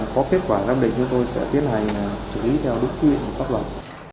có kết quả giám định chúng tôi sẽ tiến hành xử lý theo đối kỳ và pháp luật